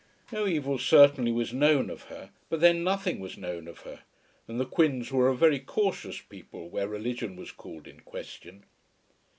No evil certainly was known of her, but then nothing was known of her; and the Quins were a very cautious people where religion was called in question.